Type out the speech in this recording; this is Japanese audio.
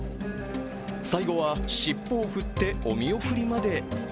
最後は尻尾を振ってお見送りまで。